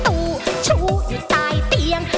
กิดอยู่ในตู้ชู้อยู่ตายเตียง